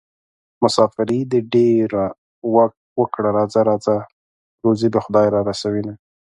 مساپري دې ډېره وکړه راځه راځه روزي به خدای رارسوينه